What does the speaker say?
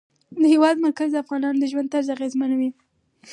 د هېواد مرکز د افغانانو د ژوند طرز اغېزمنوي.